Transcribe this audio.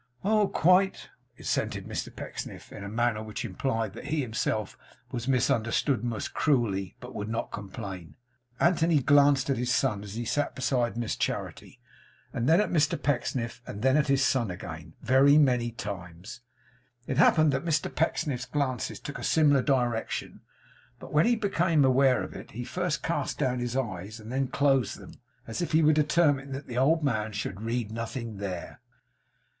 'Oh, quite!' assented Mr Pecksniff, in a manner which implied that he himself was misunderstood most cruelly, but would not complain. Anthony glanced at his son as he sat beside Miss Charity, and then at Mr Pecksniff, and then at his son again, very many times. It happened that Mr Pecksniff's glances took a similar direction; but when he became aware of it, he first cast down his eyes, and then closed them; as if he were determined that the old man should read nothing there.